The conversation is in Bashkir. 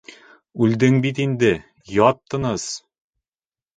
Үлдең бит инде, ят тыныс!